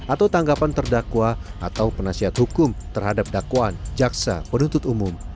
atau tanggapan terdakwa atau penasihat hukum terhadap dakwaan jaksa penuntut umum